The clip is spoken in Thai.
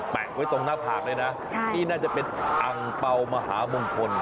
ไว้ตรงหน้าผากเลยนะนี่น่าจะเป็นอังเป่ามหามงคล